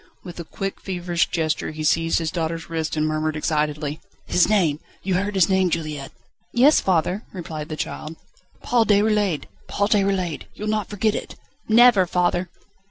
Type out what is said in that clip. With a quick, feverish gesture he seized his daughter's wrist, and murmured excitedly: "His name. You heard his name, Juliette?" "Yes, father," replied the child. "Paul Déroulède! Paul Déroulède! You'll not forget it?" "Never, father!"